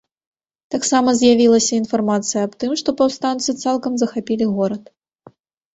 Таксама з'явілася інфармацыя аб тым, што паўстанцы цалкам захапілі горад.